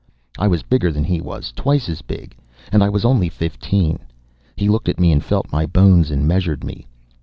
I was bigger than he was twice as big, and I was only fifteen. He looked at me and felt my bones and measured me.